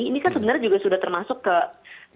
ini kan sebenarnya juga sudah termasuk ke